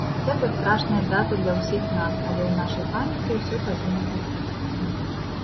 Гэта страшная дата для ўсіх нас, але ў нашай памяці ўсё павінна заставацца.